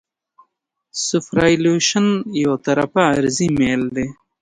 سوپرایلیویشن یو طرفه عرضي میل دی